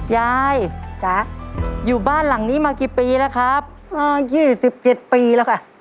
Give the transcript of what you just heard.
ยายจ้ะอยู่บ้านหลังนี้มากี่ปีแล้วครับอ่ายี่สิบเจ็ดปีแล้วค่ะ